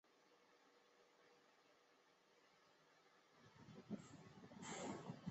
戈耳狄俄斯原本是农夫出身。